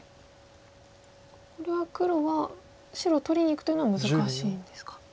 これは黒は白を取りにいくというのは難しいんですか。